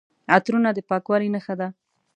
عطرونه د پاکوالي نښه ده.